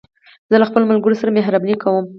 زه له خپلو ملګرو سره مهربانې کوم.